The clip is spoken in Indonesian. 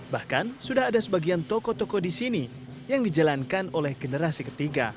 bahkan sudah ada sebagian toko toko di sini yang dijalankan oleh generasi ketiga